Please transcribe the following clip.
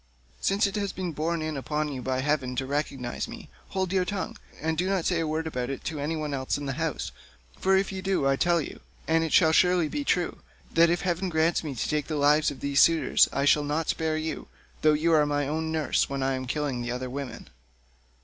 Since it has been borne in upon you by heaven to recognise me, hold your tongue, and do not say a word about it to any one else in the house, for if you do I tell you—and it shall surely be—that if heaven grants me to take the lives of these suitors, I will not spare you, though you are my own nurse, when I am killing the other women."